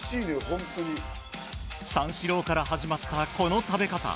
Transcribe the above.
ホントに三四郎から始まったこの食べ方